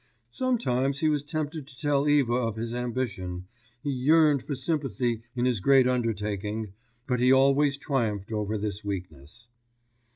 Sometimes he was tempted to tell Eva of his ambition, he yearned for sympathy in his great undertaking, but he always triumphed over this weakness.